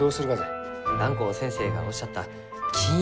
蘭光先生がおっしゃった金色の道を。